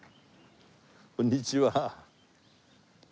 こんにちは。